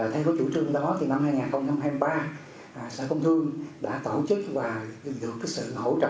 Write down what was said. thay với chủ trương đó thì năm hai nghìn hai mươi ba sở công thương đã tổ chức và được sự hỗ trợ